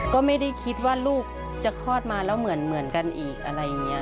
ก็ไม่ได้คิดว่าลูกจะคลอดมาแล้วเหมือนกันอีกอะไรอย่างนี้